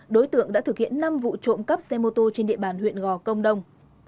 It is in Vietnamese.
đối tượng đã thực hiện năm vụ trộm cắp xe mô tô trên địa bàn huyện gò công đông